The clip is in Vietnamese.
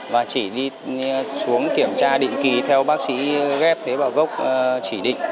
và chỉ đi xuống kiểm tra định kỳ theo bác sĩ ghép tế bào gốc chỉ định